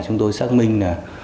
chúng tôi xác minh